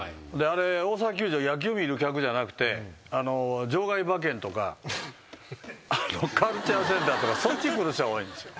大阪球場野球見る客じゃなくて場外馬券とかカルチャーセンターとかそっち来る人が多いんですよ。